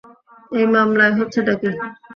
এই মামলায় হচ্ছেটা কী?